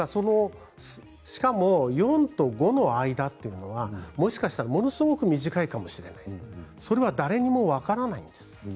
しかも４と５の間というのはもしかしたらものすごく短いかもしれないそれは誰にも分からないんです。